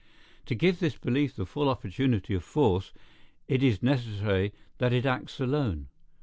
To give this belief the full opportunity of force, it is necessary that it acts alone.